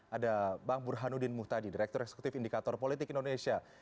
ada bang burhanuddin muhtadi direktur eksekutif indikator politik indonesia